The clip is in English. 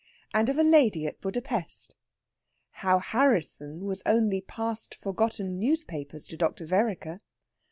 AND OF A LADY AT BUDA PESTH. HOW HARRISSON WAS ONLY PAST FORGOTTEN NEWSPAPERS TO DR. VEREKER.